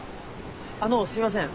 あのうすいません。